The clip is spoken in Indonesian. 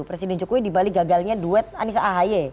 presiden jokowi di bali gagalnya duet anissa ahy